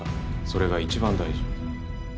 それが一番大事。